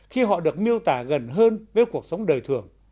khi họ được miêu tả gần hơn với cuộc sống đời thường